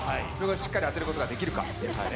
しっかり当てることができるか。